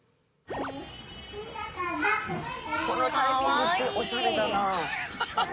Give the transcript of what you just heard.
このタイミングってオシャレだな。